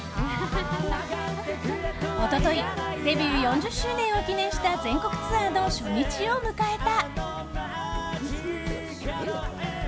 一昨日デビュー４０周年を記念した全国ツアーの初日を迎えた。